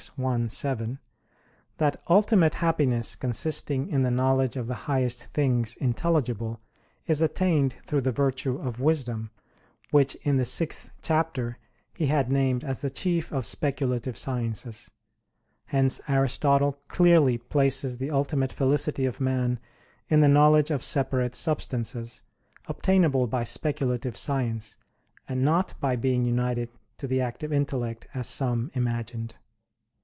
i, 7) that ultimate happiness consisting in the knowledge of the highest things intelligible is attained through the virtue of wisdom, which in the sixth chapter he had named as the chief of speculative sciences. Hence Aristotle clearly places the ultimate felicity of man in the knowledge of separate substances, obtainable by speculative science; and not by being united to the active intellect as some imagined.